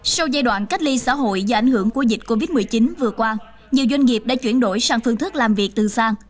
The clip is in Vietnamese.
sau giai đoạn cách ly xã hội do ảnh hưởng của dịch covid một mươi chín vừa qua nhiều doanh nghiệp đã chuyển đổi sang phương thức làm việc từ xa